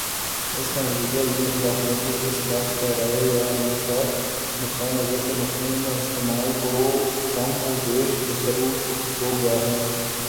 اس کا نتیجہ یہ نکلا ہے کہ اس لفظ کا رائے یا نقطۂ نظر کے مفہوم میں استعمال کم و بیش متروک ہو گیا ہے